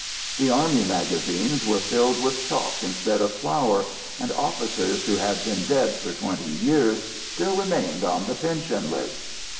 The army magazines were filled with chalk instead of flour, and officers who had been dead for twenty years still remained on the pension lists.